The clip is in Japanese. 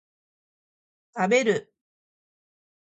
食べる